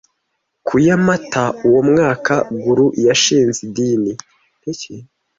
Ku ya Mata uwo mwaka Guru yashinze idini